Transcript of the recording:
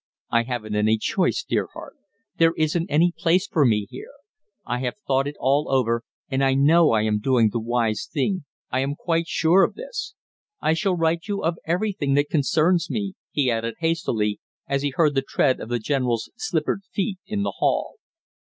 "I haven't any choice, dear heart; there isn't any place for me here. I have thought it all over, and I know I am doing the wise thing, I am quite sure of this! I shall write you of everything that concerns me!" he added hastily, as he heard the tread of the general's slippered feet in the hall.